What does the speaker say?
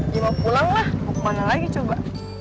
dia mau pulang lah mau kemana lagi coba